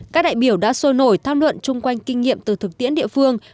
các đại biểu đã sôi nổi tham luận chung quanh kinh nghiệm từ thực tiễn địa phương